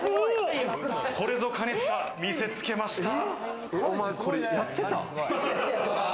これぞ兼近、見せつけました。